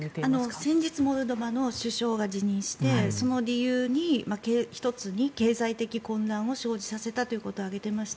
先日モルドバの首相が辞任してその理由の１つに経済的混乱を生じさせたということを挙げていました。